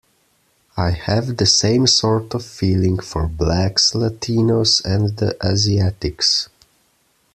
I have the same sort of feeling for Blacks, Latinos and the Asiatics.